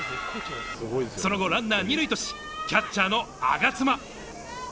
その後、ランナー２塁としキャッチャーの我妻。